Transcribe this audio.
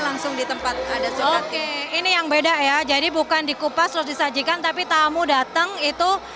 langsung ditempat ada jokat oke ini yang beda ya jadi bukan dikupas disajikan tapi tamu datang itu